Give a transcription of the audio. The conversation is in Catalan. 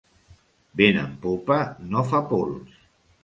Vent en popa no fa pols.